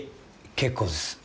結構です